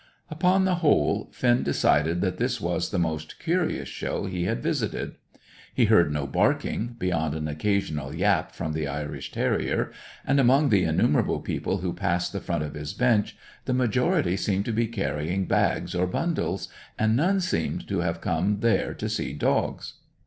Upon the whole, Finn decided that this was the most curious show he had visited. He heard no barking, beyond an occasional yap from the Irish terrier, and among the innumerable people who passed the front of his bench, the majority seemed to be carrying bags or bundles, and none seemed to have come there to see dogs.